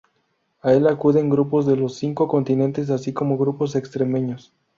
A el acuden grupos de los cinco continentes así como grupos extremeños.